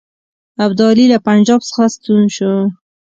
ابدالي له پنجاب څخه ستون شو.